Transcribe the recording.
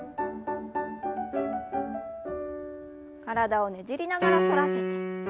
体をねじりながら反らせて。